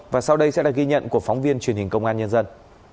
và sau đây sẽ là ghi nhận của phóng viên truyền hình công an nhân dân